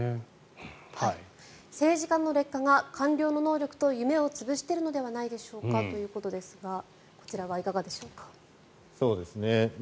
政治家の劣化が官僚の能力と夢を潰しているのではないでしょうかということですがこちらはいかがでしょうか。